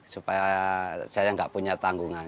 supaya saya nggak punya tanggungan